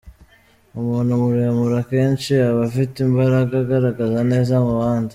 Umuntu muremure akenshi aba afite imbaraga, agaragara neza mu bandi.